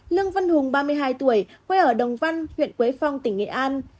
lương văn hùng ba mươi hai tuổi quê ở đồng văn huyện quế phong tỉnh nghệ an